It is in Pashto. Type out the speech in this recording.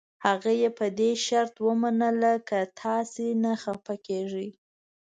هغه یې په دې شرط ومنله که تاسي نه خفه کېږئ.